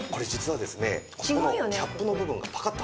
このキャップの部分がパカッと。